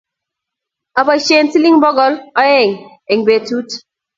Aboisien siling bokol oeng' eng' betu